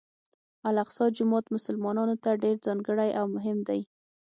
الاقصی جومات مسلمانانو ته ډېر ځانګړی او مهم دی.